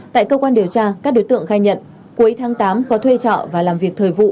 tại cơ quan điều tra các đối tượng khai nhận cuối tháng tám có thuê trọ và làm việc thời vụ